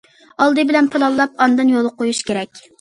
ئالدى بىلەن پىلانلاپ ئاندىن يولغا قويۇش كېرەك.